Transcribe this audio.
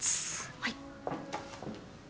はい。